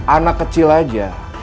anak kecil aja